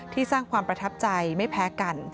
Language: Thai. สร้างความประทับใจไม่แพ้กัน